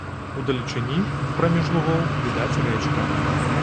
Удалечыні, праміж лугоў, відаць рэчка.